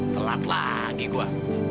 kelat lagi gua